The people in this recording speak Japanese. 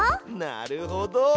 なるほど！